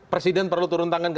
mereka kemudian perlu turun tangan